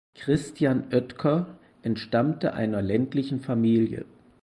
Christian Oetker entstammte einer ländlichen Familie.